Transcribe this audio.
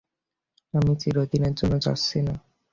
আমি চিরদিনের জন্য যাচ্ছি না।